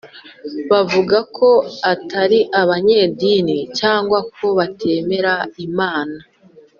bavuga ko atari abanyedini cyangwa ko batemera Imana